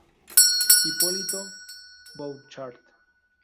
Hipólito Bouchard.